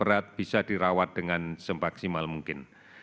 dan yang sakit berat bisa dirawat dengan se maksimal mungkin